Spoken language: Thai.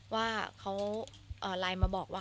ว่าเขาไลน์มาบอกว่า